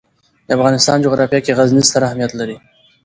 د افغانستان جغرافیه کې غزني ستر اهمیت لري.